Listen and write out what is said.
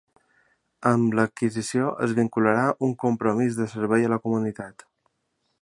Amb l'adquisició es vinculà un compromís de servei a la comunitat.